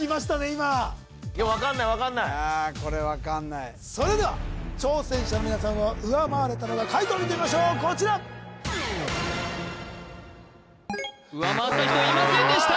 今分かんない分かんないいやこれ分かんないそれでは挑戦者の皆さんは上回れたのか解答を見てみましょうこちら上回った人いませんでした